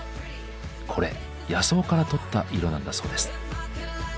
これ野草からとった色なんだそうです。